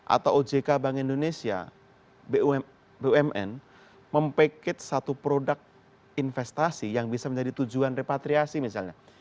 atau ojk bank indonesia bumn mempact satu produk investasi yang bisa menjadi tujuan repatriasi misalnya